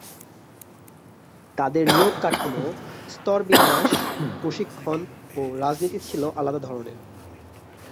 তাদের নিয়োগ কাঠামো, স্তরবিন্যাস, প্রশিক্ষণ ও রীতিনীতি ছিল আলাদা ধরনের।